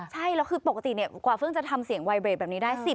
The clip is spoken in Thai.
ใช่แล้วคือปกติกว่าเพิ่งจะทำเสียงไวเบรกแบบนี้ได้